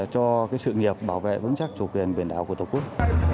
cho sự nghiệp bảo vệ vững chắc chủ quyền biển đảo của tổ quốc